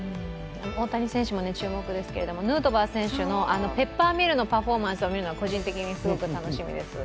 大谷選手も注目ですけれどもヌートバー選手のペッパーミルのパフォーマンスを見るのが個人的にすごく楽しみです。